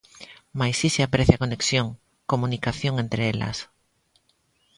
Mais si se aprecia conexión, comunicación, entre elas.